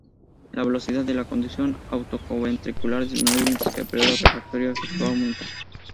La velocidad de la conducción auriculoventricular disminuye, mientras que el período refractario efectivo aumenta.